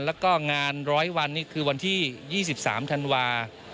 โดยเชิญเหลี้ยงค่ะ